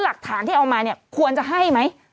หลักฐานที่เอามาเนี่ยควรจะให้ไหม